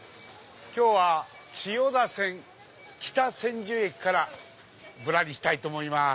今日は千代田線北千住駅からぶらりしたいと思います。